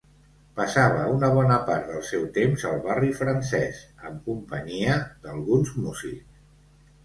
Passava una bona part del seu temps al Barri Francès amb companyia d'alguns músics.